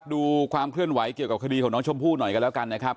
ดูความเคลื่อนไหวเกี่ยวกับคดีของน้องชมพู่หน่อยกันแล้วกันนะครับ